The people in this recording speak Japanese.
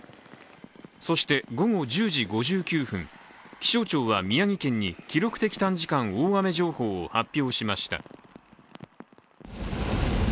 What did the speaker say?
そして午後１０時５９分、気象庁は宮城県に記録的短時間大雨情報を発表しました。